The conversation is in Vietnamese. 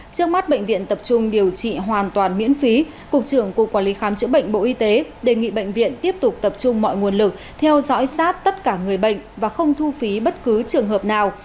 trước mắt bệnh viện tập trung điều trị hoàn toàn miễn phí cục trưởng cục quản lý khám chữa bệnh bộ y tế đề nghị bệnh viện tiếp tục tập trung mọi nguồn lực theo dõi sát tất cả người bệnh và không thu phí bất cứ trường hợp nào